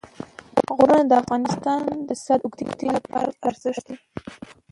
غرونه د افغانستان د اقتصادي ودې لپاره ارزښت لري.